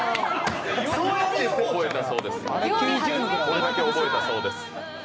これだけ覚えたそうです。